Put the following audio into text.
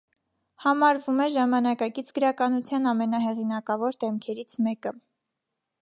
Համարվում է ժամանակակից գրականության ամենահեղինակավոր դեմքերից մեկը։